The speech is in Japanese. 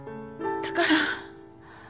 だから。